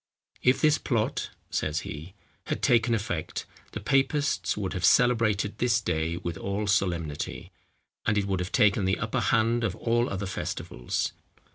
"If this plot," says he, "had taken effect, the papists would have celebrated this day with all solemnity; and it would have taken the upper hand of all other festivals.